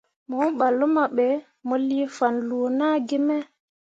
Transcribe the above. Mo ɓah luma ɓe, mo lii fanloo naa gi me.